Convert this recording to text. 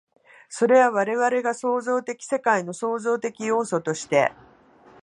それは我々が創造的世界の創造的要素として、